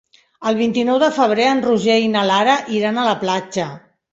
El vint-i-nou de febrer en Roger i na Lara iran a la platja.